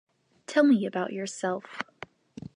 Tell me about yourself.